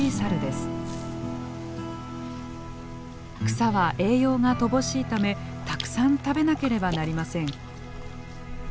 草は栄養が乏しいためたくさん食べなければなりません。